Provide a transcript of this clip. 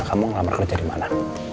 kamu ngelamar kerja di mana